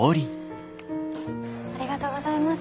ありがとうございます。